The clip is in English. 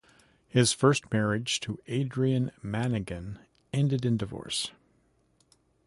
His first marriage to Adrienne Managan, ended in divorce.